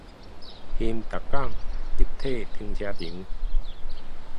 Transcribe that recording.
興達港立體停車場